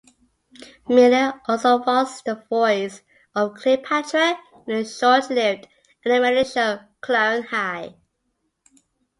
Miller also was the voice of Cleopatra in the short-lived animated show "Clone High".